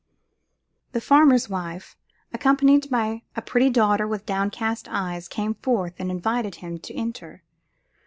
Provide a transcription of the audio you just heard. The farmer's wife, accompanied by a pretty daughter with downcast eyes, came forth and invited him to enter.